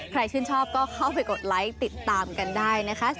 ชื่นชอบก็เข้าไปกดไลค์ติดตามกันได้นะคะ